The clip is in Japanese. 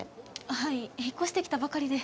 はい引っ越してきたばかりで。